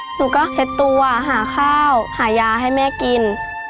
หนูก็เช็ดตัวหาข้าวหายาให้แม่กิน